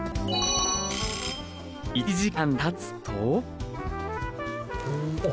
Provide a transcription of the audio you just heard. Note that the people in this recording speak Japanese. １時間たつとおっ